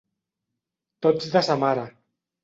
Tots de sa mare.